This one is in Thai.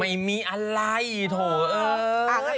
ไม่มีอะไรโถ่เอ้ย